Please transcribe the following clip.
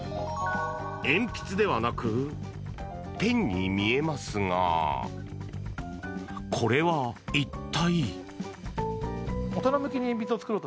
鉛筆ではなくペンに見えますがこれは一体？